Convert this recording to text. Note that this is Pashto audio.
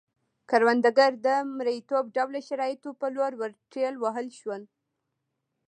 کروندګر د مریتوب ډوله شرایطو په لور ورټېل وهل شول